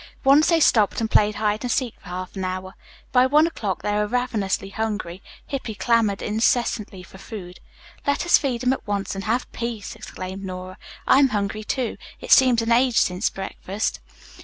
Once they stopped and played hide and seek for half an hour. By one o'clock they were ravenously hungry. Hippy clamored incessantly for food. "Let us feed him at once, and have peace," exclaimed Nora. "I'm hungry, too. It seems an age since breakfast."